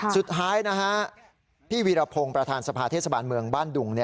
สุดท้ายนะฮะพี่วีรพงศ์ประธานสภาเทศบาลเมืองบ้านดุง